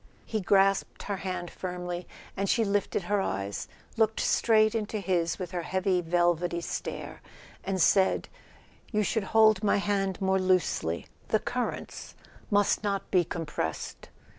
He grasped her hand firmly, and she lifted her eyes, looked straight into his with her heavy velvety stare, and said: "You should hold my hand more loosely; the currents must not be compressed."